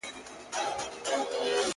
غل چي غلا کوي، قرآن په بغل کي ورسره گرځوي.